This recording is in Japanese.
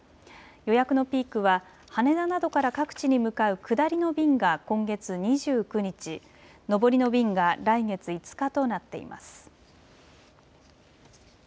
予約のピークは羽田などから各地に向かう下りの便が今月２９日、上りの便が来月５日となっています。